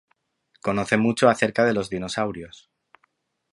Conoce mucho acerca de los dinosaurios.